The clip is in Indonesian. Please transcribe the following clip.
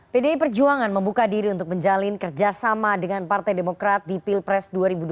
pdi perjuangan membuka diri untuk menjalin kerjasama dengan partai demokrat di pilpres dua ribu dua puluh